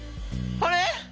あれ？